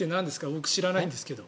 僕、知らないんですけど。